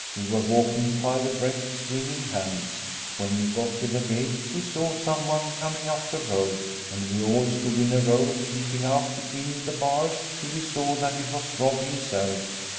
We were walking five abreast, swinging hands. When we got to the gate we saw some one coming up the road, and we all stood in a row, peeping out between the bars till we saw that it was Rob himself.